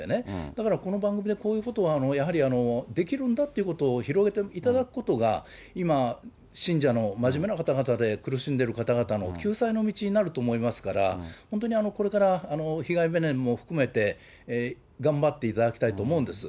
だから、この番組でこういうことを、やはりできるんだということを広げていただくことが、今、信者の真面目な方々で苦しんでる方々の救済の道になると思いますから、本当にこれから、被害弁連も含めて、頑張っていただきたいと思うんです。